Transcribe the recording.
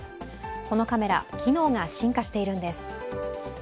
このカメラ、機能が進化しているんです。